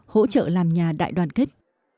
hỗ trợ làm nhà đại đoàn kết